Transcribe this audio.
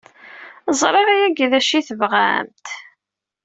Ẓriɣ yagi d acu ay tebɣamt!